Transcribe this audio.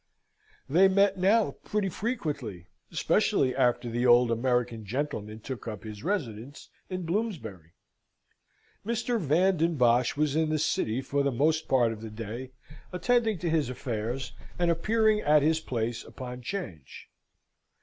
They met now pretty frequently, especially after the old American gentleman took up his residence in Bloomsbury. Mr. Van den Bosch was in the city for the most part of the day, attending to his affairs, and appearing at his place upon 'Change.